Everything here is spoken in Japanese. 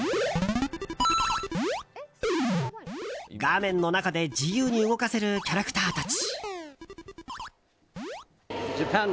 画面の中で自由に動かせるキャラクターたち。